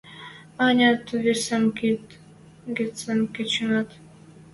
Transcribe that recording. Ӓнят, весӹм кид гӹцӹн кыченӓт?